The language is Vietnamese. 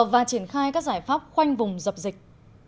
và triển khai các giải pháp khoanh vùng dập dịch